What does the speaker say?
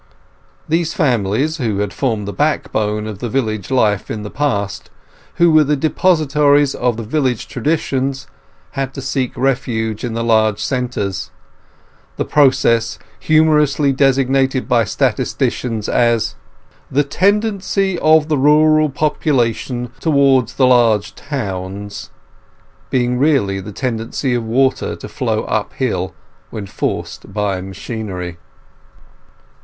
These families, who had formed the backbone of the village life in the past, who were the depositaries of the village traditions, had to seek refuge in the large centres; the process, humorously designated by statisticians as "the tendency of the rural population towards the large towns", being really the tendency of water to flow uphill when forced by machinery.